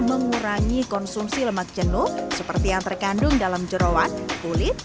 mengurangi konsumsi lemak jenuh seperti yang terkandung dalam jerawat kulit